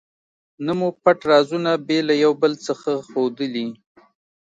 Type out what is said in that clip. نه مو پټ رازونه بې له یو بل څخه ښودلي.